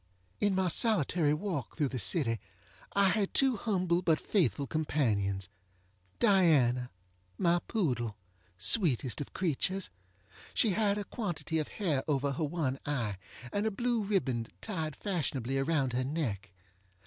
In my solitary walk through, the city I had two humble but faithful companions. Diana, my poodle! sweetest of creatures! She had a quantity of hair over her one eye, and a blue ribbon tied fashionably around her neck.